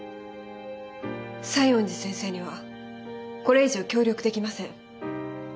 西園寺先生にはこれ以上協力できません。